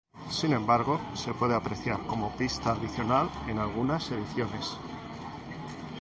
Sin embargo, se puede apreciar como pista adicional en algunas ediciones.